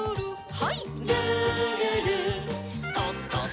はい。